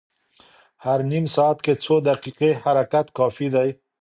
هر نیم ساعت کې څو دقیقې حرکت کافي دی.